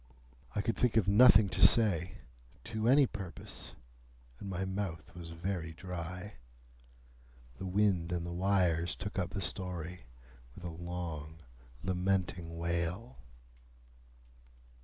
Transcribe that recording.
I could think of nothing to say, to any purpose, and my mouth was very dry. The wind and the wires took up the story with a long lamenting wail.